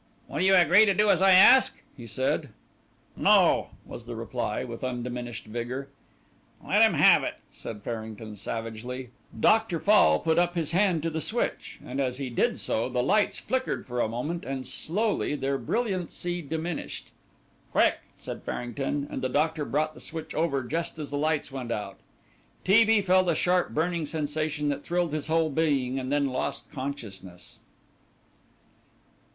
"Will you agree to do as I ask?" he said. "No," was the reply with undiminished vigour. "Let him have it," said Farrington savagely. Dr. Fall put up his hand to the switch, and as he did so the lights flickered for a moment and slowly their brilliancy diminished. "Quick," said Farrington, and the doctor brought the switch over just as the lights went out. T. B. felt a sharp burning sensation that thrilled his whole being and then lost consciousness.